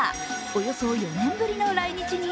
およそ４年ぶりの来日に、